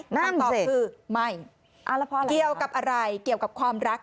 หน้าตอบคือไม่เกี่ยวกับอะไรเกี่ยวกับความรัก